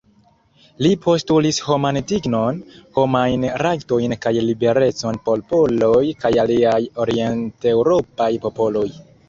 Li postulis homan dignon, homajn rajtojn kaj liberecon por poloj kaj aliaj orienteŭropaj popoloj.